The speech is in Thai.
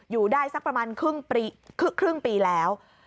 อยู่ได้สักประมาณครึ่งปีแล้ว